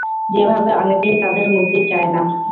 যেভাবে অনেকেই তাদের মুক্তি চায় না।